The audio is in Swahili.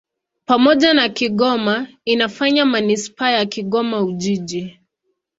Pamoja na Kigoma inafanya manisipaa ya Kigoma-Ujiji.